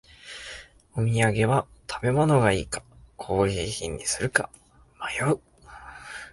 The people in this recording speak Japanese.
お土産は食べ物がいいか工芸品にするか迷う